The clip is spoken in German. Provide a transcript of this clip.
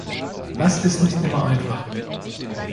Das ist nicht immer einfach.